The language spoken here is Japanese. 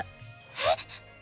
えっ！？